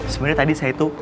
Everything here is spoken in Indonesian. sebenernya tadi saya itu